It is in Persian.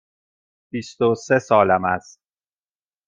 بیست و سه سالم است.